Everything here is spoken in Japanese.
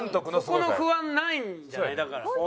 そこの不安ないんじゃない？だから。